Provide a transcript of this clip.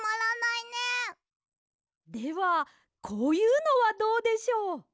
ではこういうのはどうでしょう？